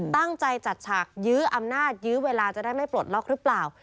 จัดฉากยื้ออำนาจยื้อเวลาจะได้ไม่ปลดล็อกหรือเปล่า